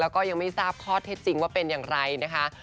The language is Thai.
แล้วก็ยังไม่ทราบข้อเท็จจริงว่าเป็นอย่างไรนะคะ